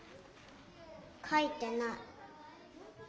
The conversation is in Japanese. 書いてない。